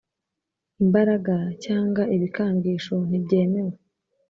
imbaraga cyangwa ibikangisho ntibyemewe